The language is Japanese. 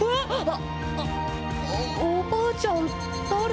おばあちゃん、誰？